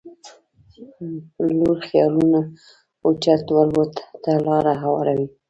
لوړ خيالونه اوچت الوت ته لاره هواروي.